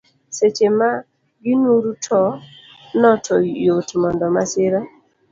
Seche ma gi nur no to yot mondo masira